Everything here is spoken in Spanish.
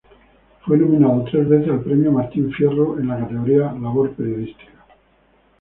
Fue nominado tres veces al premio Martín Fierro en la categoría Labor Periodística.